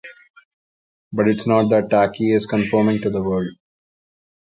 But it's not that Taki is conforming to the world.